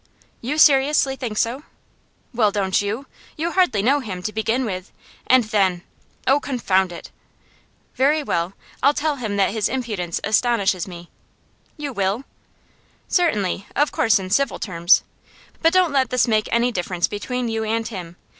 'You seriously think so?' 'Well, don't you? You hardly know him, to begin with. And then oh, confound it!' 'Very well, I'll tell him that his impudence astonishes me.' 'You will?' 'Certainly. Of course in civil terms. But don't let this make any difference between you and him.